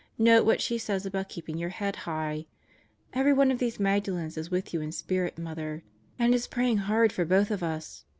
Note what she says about keeping your head high. Every one of these Magdalens is with you in spirit, Mother, and is praying hard for both of us.